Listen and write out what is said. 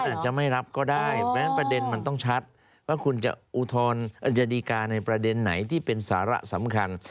ศาลอาจจะไม่รับก็ได้แม้ประเด็นมันต้องชัดว่าคุณจะอุทธรณ์อาจารย์ดีการในประเด็นไหนที่เป็นศาละสำคัญ